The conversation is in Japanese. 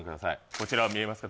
こちら見えますか